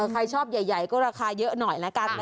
ใครชอบใหญ่ก็ราคาเยอะหน่อยละกัน